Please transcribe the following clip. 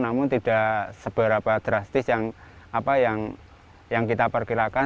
namun tidak seberapa drastis yang apa yang kita pergilahkan